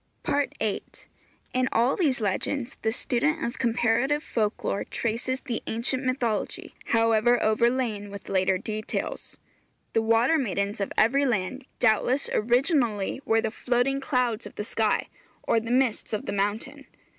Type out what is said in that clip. VIII. In all these legends the student of comparative folk lore traces the ancient mythology, however overlain with later details. The water maidens of every land doubtless originally were the floating clouds of the sky, or the mists of the mountain.